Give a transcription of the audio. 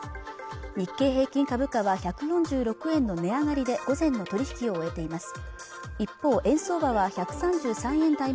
日経平均株価は１４６円の値上がりで午前の取引を終えています